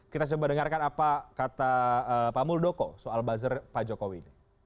kita coba dengarkan apa kata pak muldoko soal buzzer pak jokowi ini